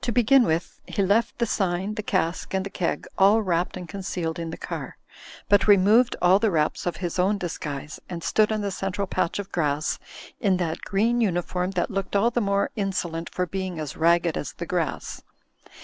To begin with, he left the sign, the cask, and the keg all wrapped and concealed in the car, but removed all the wraps of his own disguise, and stood on the central patch of grass in that green uniform that looked all the more insolent for being as ragged as the grass.